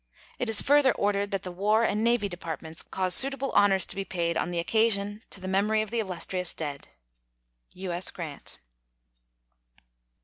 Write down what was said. It is further ordered that the War and Navy Departments cause suitable honors to be paid on the occasion to the memory of the illustrious dead. U.S. GRANT.